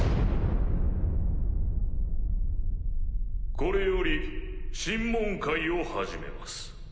これより審問会を始めます。